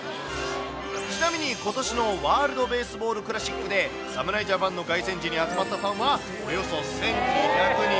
ちなみにことしのワールドベースボールクラシックで、侍ジャパンの凱旋時に集まったファンは、およそ１２００人。